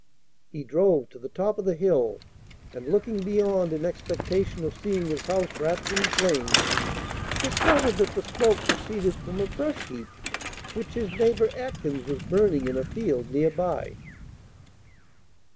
He drove to the top of the hill, and, looking beyond, in expectation of seeing his house wrapped in flames, discovered that the smoke proceeded from a brush heap which his neighbor Atkins was burning in a field near by.